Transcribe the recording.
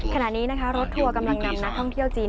ขณะนี้นะคะรถทัวร์กำลังนำนักท่องเที่ยวจีน